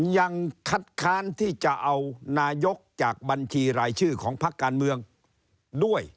ยังคัดค้านที่จะเอานายกจากบัญชีรายชื่อของพักการเมืองด้วย